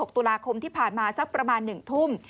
ตุลาคมที่ผ่านมาสักประมาณ๑ทุ่ม